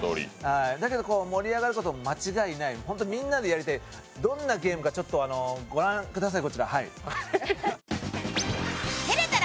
だけど、盛り上がること間違いないほんとみんなでやりたい、どんなゲームかちょっとこちらご覧ください。